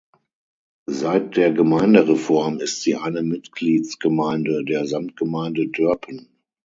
Seit der Gemeindereform ist sie eine Mitgliedsgemeinde der Samtgemeinde Dörpen.